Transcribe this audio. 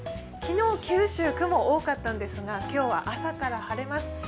昨日九州雲多かったんですが、今日は朝から晴れます。